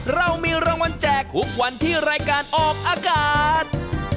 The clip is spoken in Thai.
เรามีรางวัลแจกทุกวันที่รายการออกอากาศ